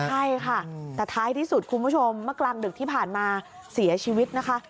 ใช่ค่ะแต่ท้ายที่สุดคุณผู้ชมเมื่อกลางดึกที่ผ่านมาเสียชีวิตนะคะ